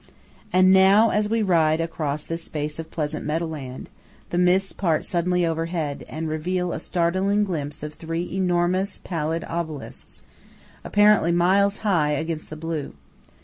And now, as we ride across this space of pleasant meadowland, the mists part suddenly overhead, and reveal a startling glimpse of three enormous pallid obelisks, apparently miles high against the blue.